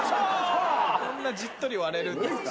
そんなじっとり割れるんですか？